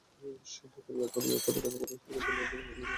বুকে ব্যথা অনুভব করায় তাঁকে প্রথমে হবিগঞ্জ জেলা আধুনিক হাসপাতালে নেওয়া হয়।